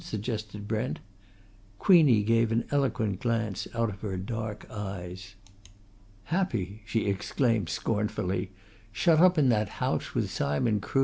suggested Brent. Queenie gave an eloquent glance out of her dark eyes. "Happy!" she exclaimed scornfully. "Shut up in that house with Simon Crood!